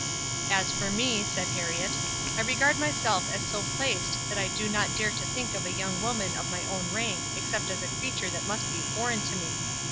"As for me," said Herriot, "I regard myself as so placed that I do not dare to think of a young woman of my own rank except as a creature that must be foreign to me.